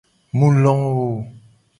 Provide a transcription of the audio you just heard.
Mu lowo.